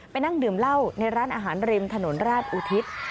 นั่งดื่มเหล้าในร้านอาหารริมถนนราชอุทิศ